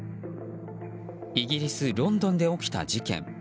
イギリス・ロンドンで起きた事件。